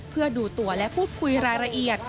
เพื่อดูตัวและพูดคุยรายละเอียด